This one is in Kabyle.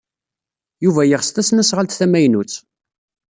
Yuba yeɣs tasnasɣalt tamaynut.